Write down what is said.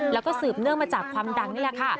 แล้วก็สืบเนื่องมาจากความดังนี่แหละค่ะ